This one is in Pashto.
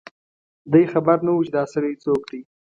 دی خبر نه و چي دا سړی څوک دی